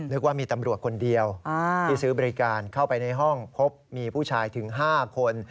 นึกว่ามีตำรวจคนเดียวที่ซื้อบริการเข้าไปในห้องพบมีผู้ชายถึง๕คน